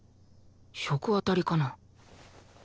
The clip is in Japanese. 食あたりかな？